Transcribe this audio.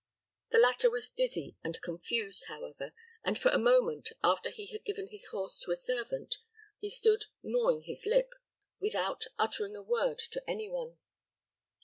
The latter was dizzy and confused, however, and for a moment, after he had given his horse to a servant, he stood gnawing his lip, without uttering a word to any one.